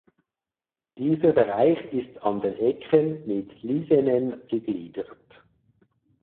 Dieser Bereich ist an den Ecken mit Lisenen gegliedert.